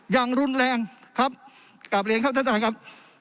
อย่างรุนแรงครับกลับเรียนครับท่านประธานครับ